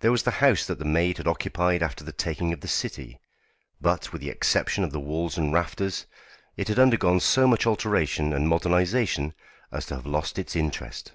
There was the house that the Maid had occupied after the taking of the city, but, with the exception of the walls and rafters, it had undergone so much alteration and modernisation as to have lost its interest.